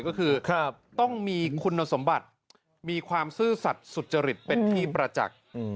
ก็คือต้องมีคุณสมบัติมีความซื่อสัตว์สุจริตเป็นที่ประจักษ์